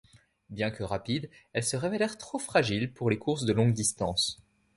Bien que rapides elles se révélèrent trop fragiles pour les courses de longue distance.